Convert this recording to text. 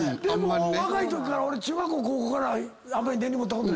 若いときから俺中学・高校からあんまり根に持ったことない。